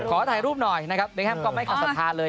ขอถ่ายรูปหน่อยนะครับเบคแฮมก็ไม่ขาดศรัทธาเลย